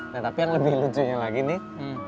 nah tapi yang lebih lucunya lagi nih